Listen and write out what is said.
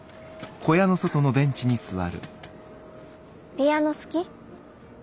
ピアノ好き？